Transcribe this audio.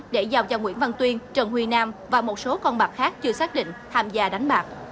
để giao cho nguyễn văn tuyên trần huy nam và một số con bạc khác chưa xác định tham gia đánh bạc